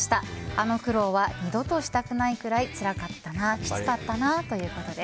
あの苦労は二度としたくないくらいつらかったなきつかったな、ということです。